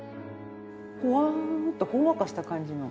ほわんとほんわかした感じの。